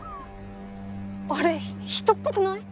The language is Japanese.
あれ人っぽくない？